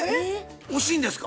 惜しいんですか？